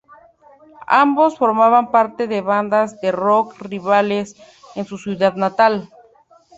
Ambos formaban parte de bandas de rock rivales en su ciudad natal.